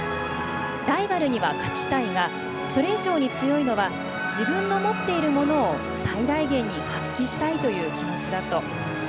「ライバルには勝ちたいがそれ以上に強いのは自分の持っているものを最大限に発揮したいと思う気持ちだ」と。